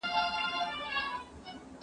موسم به راسي د ګل غونډیو